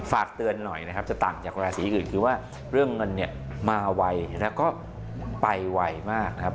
ฝากเตือนหน่อยนะครับจะต่างจากราศีอื่นคือว่าเรื่องเงินเนี่ยมาไวแล้วก็ไปไวมากนะครับ